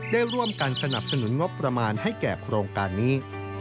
ได้ร่วมกันสนับสนุนงบประมาณให้แก่โครงการนี้